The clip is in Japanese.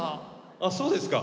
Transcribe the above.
あっそうですか？